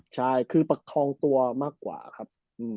ใช่คือประคองตัวมากกว่าครับ